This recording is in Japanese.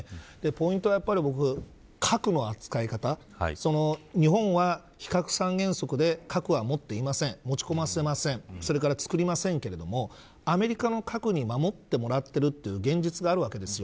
ポイントは僕、核の扱い方日本は非核三原則で核は持っていません持ち込ませませんそれから作りませんけれどもアメリカの核に守ってもらっている現実があるわけです。